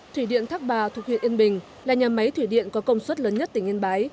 thủy điện thác bà thuộc huyện yên bình là nhà máy thủy điện có công suất lớn nhất tỉnh yên bái